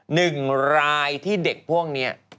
หนึ่งรายที่เด็กพวกนี้